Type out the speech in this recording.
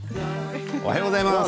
おはようございます。